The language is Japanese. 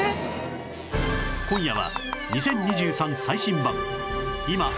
今夜は